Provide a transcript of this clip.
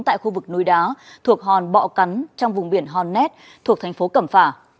tại khu vực núi đá thuộc hòn bọ cắn trong vùng biển hòn nét thuộc tp cẩm phả